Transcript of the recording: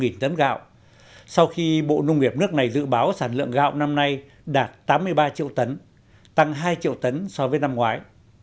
nghị định nhập khẩu sáu trăm linh tấn gạo sau khi bộ nông nghiệp nước này dự báo sản lượng gạo năm nay đạt tám mươi ba triệu tấn tăng hai triệu tấn so với năm ngoái